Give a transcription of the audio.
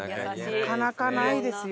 なかなかないですよ